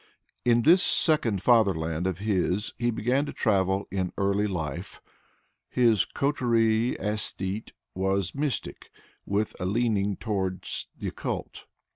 In this second fatherland of his, he began to travel early in life. This courtier ssthete was a mystic, with a leaning toward the occult.